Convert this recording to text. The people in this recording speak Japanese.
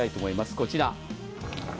こちら。